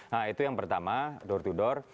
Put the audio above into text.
nah itu yang pertama door to door